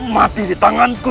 mati di tanganku